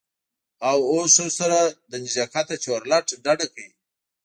او اوس ښځو سره له نږدیکته چورلټ ډډه کوي.